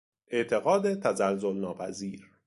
اعتقاد تزلزل ناپذیر